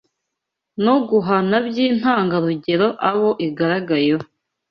no guhana by’intangarugero abo igaragayeho